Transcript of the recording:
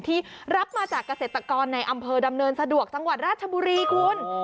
ที่รับมาจากเกษตรกรในอำเภอดำเนินสะดวกจังหวัดราชบุรีคุณ